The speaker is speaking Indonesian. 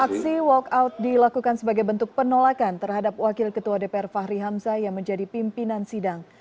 aksi walkout dilakukan sebagai bentuk penolakan terhadap wakil ketua dpr fahri hamzah yang menjadi pimpinan sidang